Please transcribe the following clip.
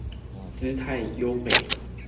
姿態優美